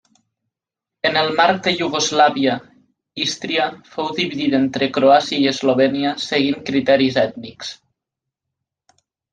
En el marc de Iugoslàvia, Ístria fou dividida entre Croàcia i Eslovènia seguint criteris ètnics.